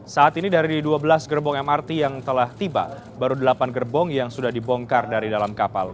saat ini dari dua belas gerbong mrt yang telah tiba baru delapan gerbong yang sudah dibongkar dari dalam kapal